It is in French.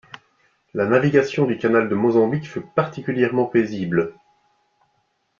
La navigation du canal de Mozambique fut particulièrement paisible.